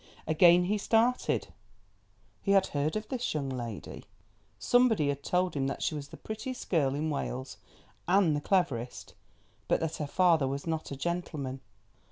Again he started. He had heard of this young lady. Somebody had told him that she was the prettiest girl in Wales, and the cleverest, but that her father was not a gentleman.